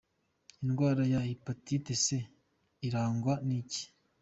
Indwara ya Hepatite C irangwa n’iki?.